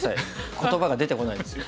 言葉が出てこないんですよ。